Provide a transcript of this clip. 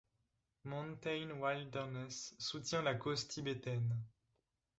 Mountain Wilderness soutient la cause tibétaine.